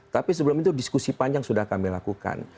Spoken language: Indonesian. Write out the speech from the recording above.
tapi sebelum itu diskusi panjang sudah kami lakukan